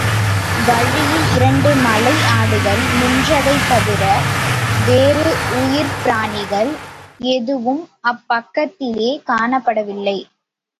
வழியில் இரண்டு மலை ஆடுகள் நின்றதைத் தவிர வேறு உயிர்ப்பிராணிகள் எதுவும் அப்பக்கத்திலே காணப்படவில்லை.